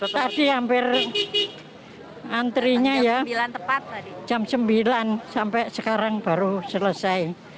tadi hampir antrinya ya tepat jam sembilan sampai sekarang baru selesai